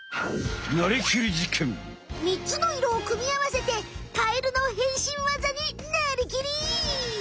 ３つの色をくみあわせてカエルの変身わざになりきり！